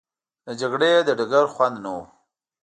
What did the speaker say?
د جګړې د ډګر خوند نه وو.